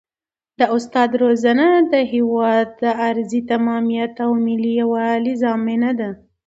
د استاد روزنه د یو هېواد د ارضي تمامیت او ملي یووالي ضامنه ده.